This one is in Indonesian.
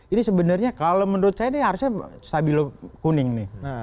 ini sebenarnya kalau menurut saya ini harusnya stabilo kuning nih